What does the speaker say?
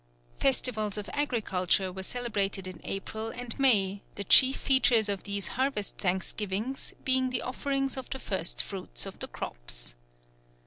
Festivals of agriculture were celebrated in April and May, the chief features of these harvest thanksgivings being the offerings of the first fruits of the crops.